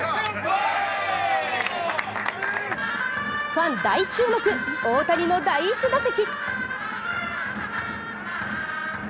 ファン大注目、大谷の第１打席。